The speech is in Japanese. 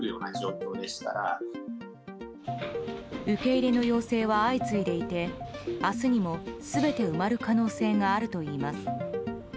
受け入れの要請は相次いでいて明日にも全て埋まる可能性があるといいます。